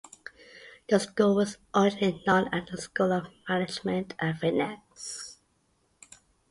The school was originally known as the School of Management and Finance.